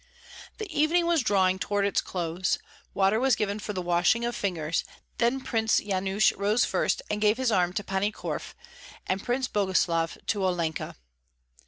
The evening was drawing toward its close. Water was given for the washing of fingers; then Prince Yanush rose first and gave his arm to Pani Korf, and Prince Boguslav to Olenka.